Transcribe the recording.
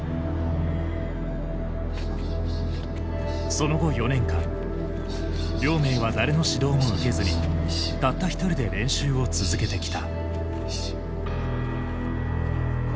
その後４年間亮明は誰の指導も受けずにたった一人で練習を続けてきた。